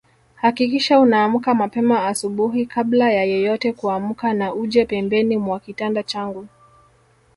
Hakikisha unaamka mapema asubuhi kabla ya yeyote kuamka na uje pembeni mwa kitanda changu